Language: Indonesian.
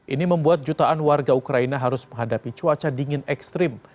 ini membuat jutaan warga ukraina harus menghadapi cuaca dingin ekstrim